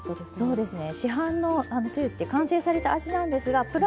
そうですね。